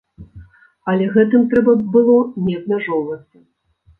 Але гэтым трэба было не абмяжоўвацца.